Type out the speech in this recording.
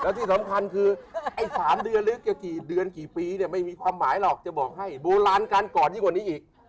แล้วที่สำคัญคือ๓เดือนหรือกี่เดือนไม่มีความหมายหรอกซึ่งบ่อนานกันกว่านี้ก่อนนี้อีก